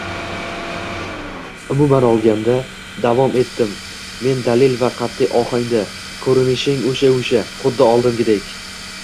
– Umuman olganda, – davom etdim men dadil va qatʼiy ohangda, – koʻrinishing oʻsha-oʻsha, xuddi oldingidek.